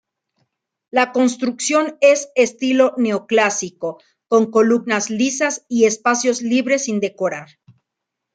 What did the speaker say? La construcción es estilo neoclásico, con columnas lisas y espacios libres sin decorar.